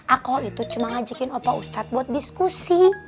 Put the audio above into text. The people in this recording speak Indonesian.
aku itu cuma ngajakin opa ustadz buat diskusi